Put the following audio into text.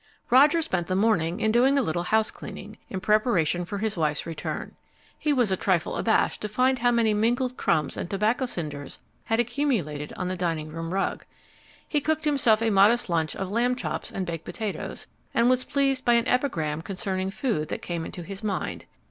Roger spent the morning in doing a little housecleaning, in preparation for his wife's return. He was a trifle abashed to find how many mingled crumbs and tobacco cinders had accumulated on the dining room rug. He cooked himself a modest lunch of lamb chops and baked potatoes, and was pleased by an epigram concerning food that came into his mind.